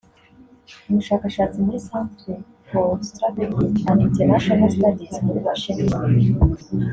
Umushakashatsi muri Centre for Strategic and International Studies muri Washington